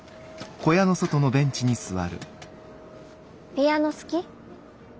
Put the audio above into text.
ピアノ好き？